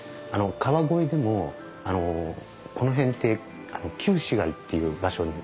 川越でもこの辺って旧市街っていう場所にあたるんですね。